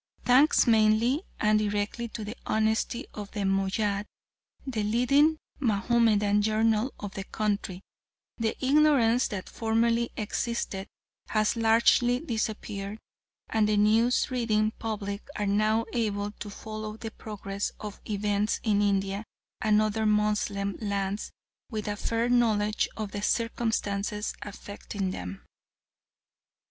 Thanks mainly and directly to the honesty of the Moayyad, the leading Mahomedan journal of the country, the ignorance that formerly existed has largely disappeared, and the news reading public are now able to follow the progress of events in India and other Moslem lands with a fair knowledge of the circumstances affecting them.